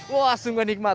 wah sungguh nikmat